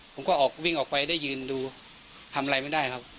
ผมก็ออกวิ่งออกไปได้ยืนดูทำอะไรไม่ได้ครับ